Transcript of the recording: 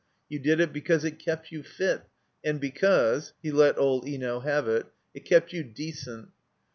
You did it because it kept you fit and because (he let old Eno have it) it kept you decent.